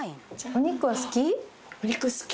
お肉は好き？